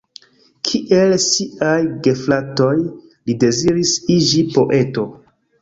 Kiel siaj gefratoj, li deziris iĝi poeto.